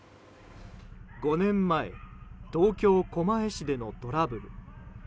５年前東京・狛江市でのトラブル。